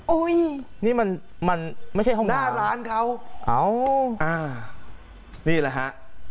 อุ้ยนี่มันมันไม่ใช่ห้องหน้าร้านเขาอ้าวอ่านี่แหละฮะ